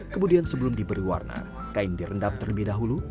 kemudian sebelum diberi warna kain direndam terlebih dahulu